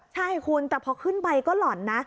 ใช่คุณแต่พอขึ้นไปก็หล่อนนะ